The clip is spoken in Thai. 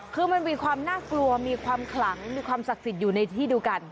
คือมันมีความน่ากลัวมีความขลังมีความศักดิ์สิทธิ์อยู่ในที่เดียวกัน